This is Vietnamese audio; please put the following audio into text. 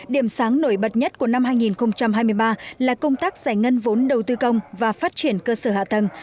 điểm sáng nổi bật nhất của năm hai nghìn hai mươi ba là công tác giải ngân vốn đầu tư công và phát triển cơ sở hạ tầng